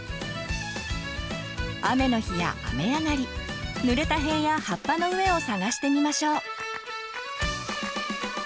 雨の日や雨上がりぬれた塀や葉っぱの上を探してみましょう！